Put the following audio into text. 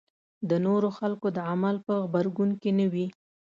د نورو خلکو د عمل په غبرګون کې نه وي.